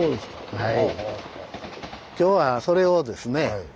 はい。